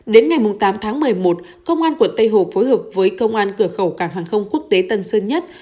đến ngày tám tháng một mươi một công an quận tây hồ phối hợp với công an cửa khẩu cảng hàng không quốc tế tân sơn nhất